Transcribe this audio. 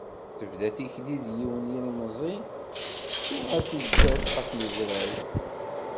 Tebda tikli d yiwen n yilemẓi tuɣal teǧǧa-t ɣef yidra-w.